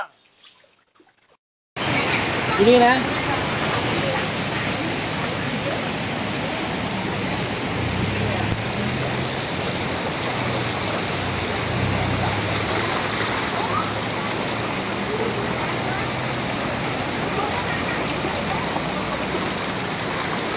น้ำไหลแรงมากค่ะ